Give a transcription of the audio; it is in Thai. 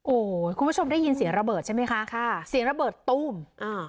โอ้โหคุณผู้ชมได้ยินเสียงระเบิดใช่ไหมคะค่ะเสียงระเบิดตู้มอ่า